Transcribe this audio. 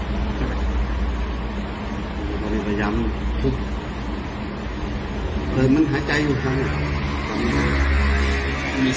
นั่นต้องกินต่อเท่าไหร่ครับ